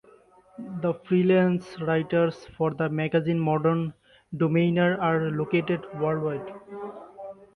The freelance writers for the magazine Modern Domainer are located worldwide.